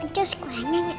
ini terus kuenya